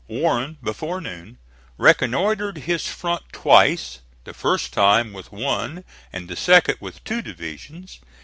Warren, before noon, reconnoitred his front twice, the first time with one and the second with two divisions.